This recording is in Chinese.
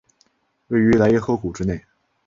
位于莱茵河谷之内。